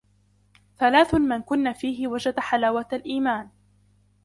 ثَلَاثٌ مَنْ كُنَّ فِيهِ وَجَدَ حَلَاوَةَ الْإِيمَانِ.